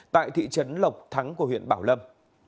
tại thị trấn lộc thắng của huyện bảo lâm